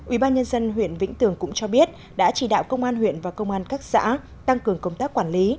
ủy ban nhân dân huyện vĩnh tường cũng cho biết đã chỉ đạo công an huyện và công an các xã tăng cường công tác quản lý